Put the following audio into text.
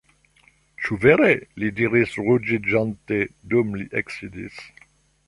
Ĉu vere? li diris ruĝiĝante, dum li eksidis.